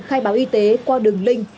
khai báo y tế qua đường link